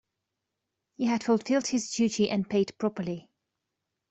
He had fulfilled his duty and paid properly.